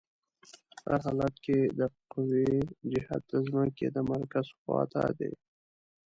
په هر حالت کې د قوې جهت د ځمکې د مرکز خواته دی.